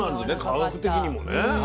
科学的にもね。